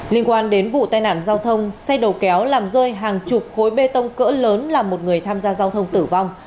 liên quan đến vụ tai nạn giao thông xe đầu kéo làm rơi hàng chục khối bê tông cỡ lớn làm một người tham gia giao thông tử vong